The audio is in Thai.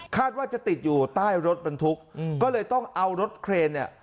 ว่าจะติดอยู่ใต้รถบรรทุกก็เลยต้องเอารถเครนเนี่ย